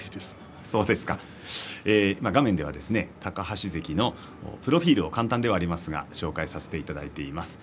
画面では高橋関のプロフィールを簡単ではありますがご紹介しています。